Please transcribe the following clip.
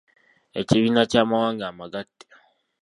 Ekibiina ky’amawanga amagatte.